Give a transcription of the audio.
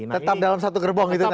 tetap dalam satu gerbong gitu tadi ya